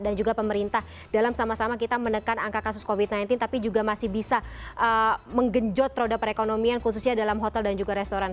dan juga pemerintah dalam sama sama kita menekan angka kasus covid sembilan belas tapi juga masih bisa menggenjot roda perekonomian khususnya dalam hotel dan juga restoran